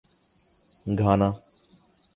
Ghana